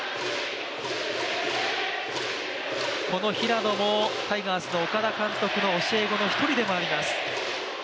この平野もタイガースの岡田監督の教え子の１人でもあります。